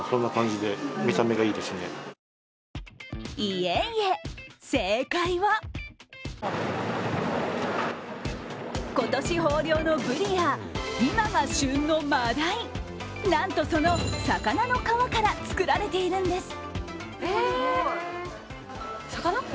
いえいえ、正解は今年豊漁のブリや、今が旬のマダイなんと、その魚の皮から作られているんです。